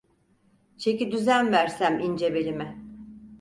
Çeki düzen versem ince belime.